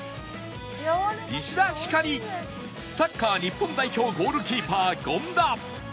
石田ひかりサッカー日本代表ゴールキーパー権田